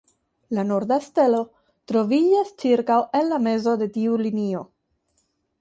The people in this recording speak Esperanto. La norda stelo troviĝas ĉirkaŭ en la mezo de tiu linio.